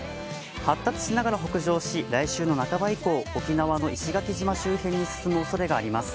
発達しながら北上し、来週の半ば以降、沖縄の石垣島周辺に進むおそれがあります。